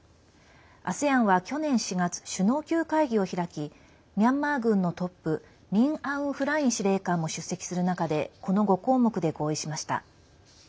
ＡＳＥＡＮは去年４月、首脳級会議を開きミャンマー軍のトップミン・アウン・フライン司令官も出席する中でこの５項目で合意しました。